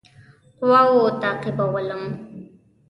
قواوو تعقیبولم.